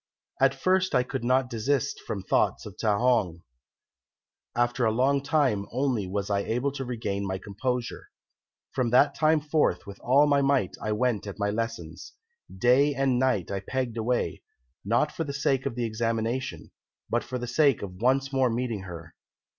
"At first I could not desist from thoughts of Ta hong. After a long time only was I able to regain my composure. From that time forth with all my might I went at my lessons. Day and night I pegged away, not for the sake of the Examination, but for the sake of once more meeting her.